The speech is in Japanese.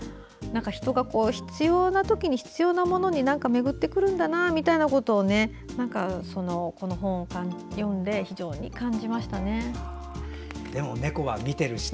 人が必要な時に必要なものが巡ってくるんだなみたいなことをこの本を読んで非常に感じましたね。